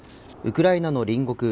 ウクライナの隣国